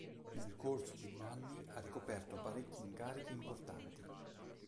Nel corso degli anni ha ricoperto parecchi incarichi importanti.